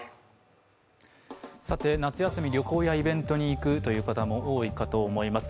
夏休み、旅行やイベントに行くという方も多いかと思います。